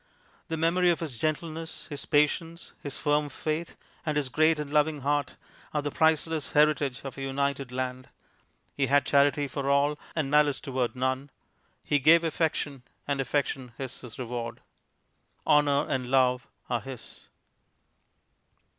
The memory of his gentleness, his patience, his firm faith, and his great and loving heart are the priceless heritage of a united land. He had charity for all and malice toward none; he gave affection, and affection is his reward. Honor and love are his.